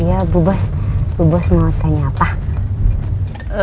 iya bu bos bu bos mau tanya apa